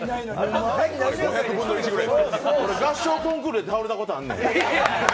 合唱コンクールで倒れたことあんねん。